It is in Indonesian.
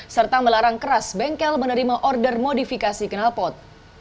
serta melarang keras bengkel menerima order modifikasi kenalpot